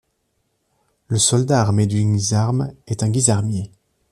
Le soldat armé d'une guisarme est un guisarmier.